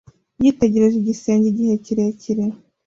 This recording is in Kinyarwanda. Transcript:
Yitegereje igisenge igihe kirekire.